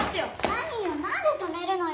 何よ何で止めるのよ？